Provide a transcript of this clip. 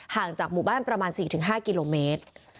จากหมู่บ้านประมาณ๔๕กิโลเมตร